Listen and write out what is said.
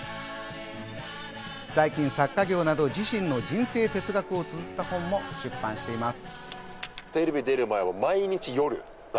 最近、作家業など自身の人生哲学をつづった本も出版しています。